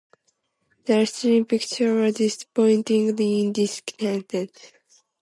The resulting pictures were disappointingly indistinct.